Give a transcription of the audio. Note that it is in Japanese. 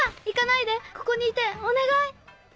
行かないでここにいてお願い！